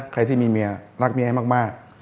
ใครที่มีเมียรักเมียมาก